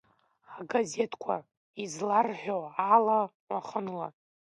Агазеҭқәа изларҳәо ала уахынла…